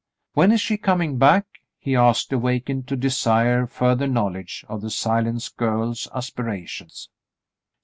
"When is she coming back.^^" he asked, awakened to desire further knowledge of the silent girl's aspirations.